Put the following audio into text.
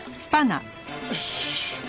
よし！